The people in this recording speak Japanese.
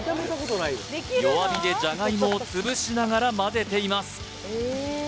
弱火でじゃがいもをつぶしながらまぜています